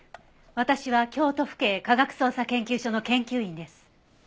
私は京都府警科学捜査研究所の研究員です。